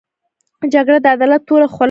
جګړه د عدالت توره خوله ده